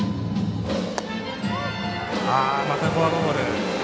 またフォアボール。